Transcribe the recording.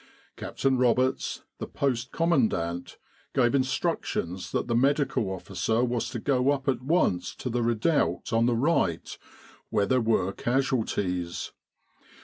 Captain Roberts, the Post Commandant, gave instructions that the Medical Officer was to go up at once to the redoubt on the right, where there were casualties.